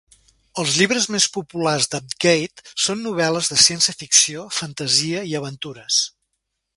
Els llibres més populars d'Apggate són novel·les de ciència ficció, fantasia i aventures.